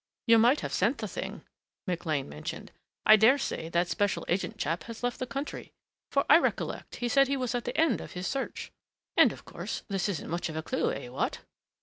"You might have sent the thing," McLean mentioned. "I daresay that special agent chap has left the country, for I recollect he said he was at the end of his search.... And, of course, this isn't much of a clue eh, what?"